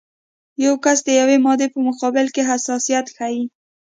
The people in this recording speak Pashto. یو کس د یوې مادې په مقابل کې حساسیت ښیي.